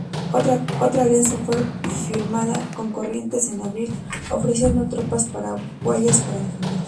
Otra alianza fue firmada con Corrientes en abril, ofreciendo tropas paraguayas para defenderla.